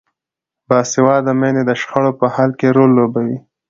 باسواده میندې د شخړو په حل کې رول لوبوي.